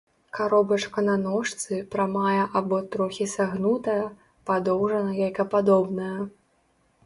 Каробачка на ножцы, прамая або трохі сагнутая, падоўжана-яйкападобная.